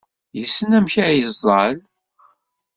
Yessen amek ad yeẓẓal.